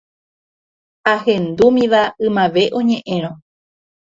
Ahendúmiva ymave oñeñe’ẽrõ